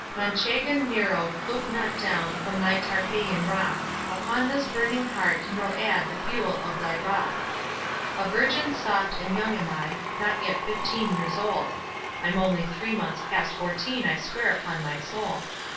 Manchegan Nero, look not down From thy Tarpeian Rock Upon this burning heart, nor add The fuel of thy wrath. A virgin soft and young am I, Not yet fifteen years old; (I'm only three months past fourteen, I swear upon my soul).